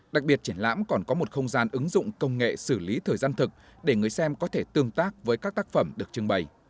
đặc biệt triển lãm còn có một không gian ứng dụng công nghệ xử lý thời gian thực để người xem có thể tương tác với các tác phẩm được trưng bày